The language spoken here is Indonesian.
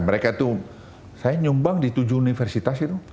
mereka itu saya nyumbang di tujuh universitas itu